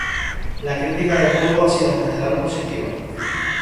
La crítica del juego ha sido en general positiva.